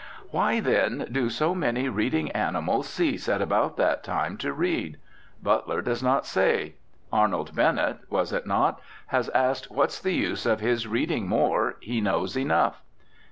Why then do so many reading animals cease at about that time to read? Butler does not say. Arnold Bennett (was it not?) has asked what's the use of his reading more, he knows enough.